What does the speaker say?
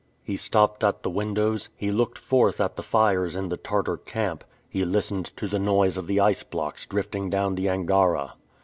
He stopped at the windows, he looked forth at the fires in the Tartar camp, he listened to the noise of the ice blocks drifting down the Angara.